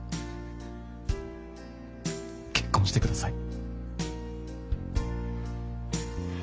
結婚してください。